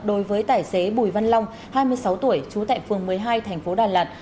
đối với tài xế bùi văn long hai mươi sáu tuổi trú tại phường một mươi hai thành phố đà lạt